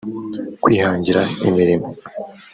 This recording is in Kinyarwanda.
kwihangira imirimo